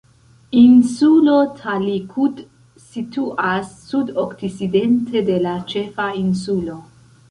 Insulo Talikud situas sudokcidente de la ĉefa insulo.